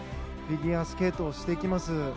フィギュアスケートしていきます